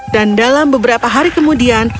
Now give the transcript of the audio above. dan dalam beberapa hari kemudian